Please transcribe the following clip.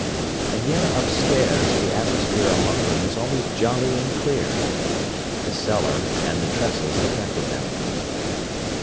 And yet upstairs the atmosphere among them was always jolly and clear. The cellar and the trestles affected them.